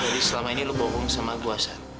jadi selama ini lo bohong sama gua san